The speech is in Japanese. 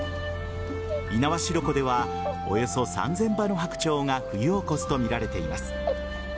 猪苗代湖ではおよそ３０００羽のハクチョウが冬を越すと見られています。